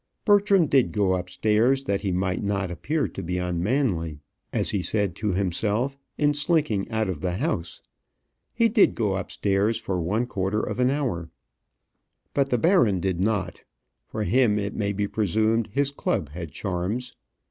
Bertram did go upstairs, that he might not appear to be unmanly, as he said to himself, in slinking out of the house. He did go upstairs, for one quarter of an hour. But the baron did not. For him, it may be presumed, his club had charms.